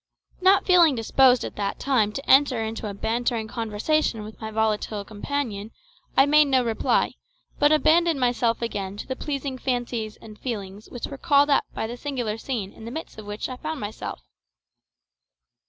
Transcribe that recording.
Not feeling disposed at that time to enter into a bantering conversation with my volatile companion, I made no reply, but abandoned myself again to the pleasing fancies and feelings which were called up by the singular scene in the midst of which I found myself.